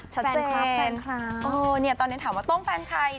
ชัดเจนตอนนี้ถามว่าต้องแฟนใคร